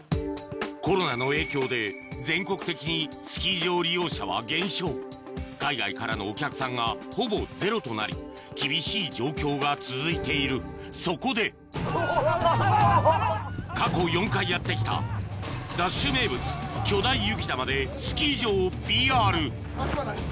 コロナの影響で全国的にスキー場利用者は減少海外からのお客さんがほぼゼロとなり厳しい状況が続いているそこで過去４回やって来た『ＤＡＳＨ』名物巨大雪玉でスキー場をＰＲ